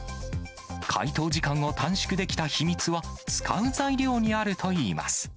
解凍時間を短縮できた秘密は、使う材料にあるといいます。